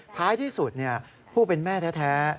ท้ายที่สุดผู้เป็นแม่แท้